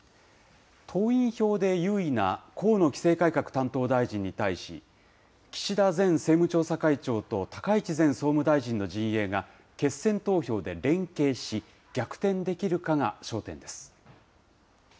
党員票で優位な河野規制改革担当大臣に対し、岸田前政務調査会長と高市前総務大臣の陣営が決選投票で連携し、逆転できるかが焦点です。